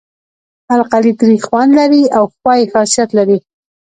القلي تریخ خوند لري او ښوی خاصیت لري.